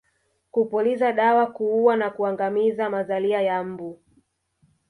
Kupuliza dawa kuua na kuangamiza mazalia ya mbu